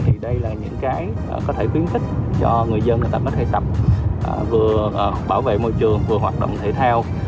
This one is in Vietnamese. thì đây là những cái có thể khuyến khích cho người dân người ta hay tập vừa bảo vệ môi trường vừa hoạt động thể thao